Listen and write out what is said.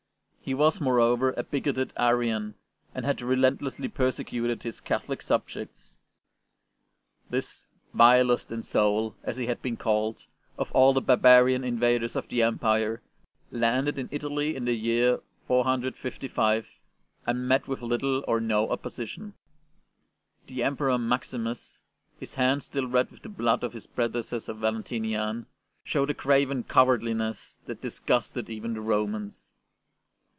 He was, moreover, a bigoted Arian, and had relentlessly perse cuted his Catholic subjects. This '' vilest i8 ST. BENEDICT in soul/' as he had been called, '* of all the barbarian invaders of the Empire/' landed in Italy in the year 455, and met with little or no opposition. The Emperor Maximus, his hands still red with the blood of his prede cessor Valentinian, showed a craven cowardli ness that disgusted even the Romans.